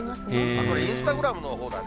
これインスタグラムのほうだね。